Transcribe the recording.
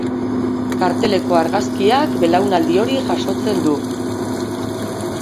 Karteleko argazkiak belaunaldi hori jasotzen du.